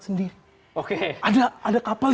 sendiri ada kapal